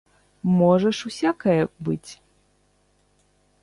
Можа ж усякае быць.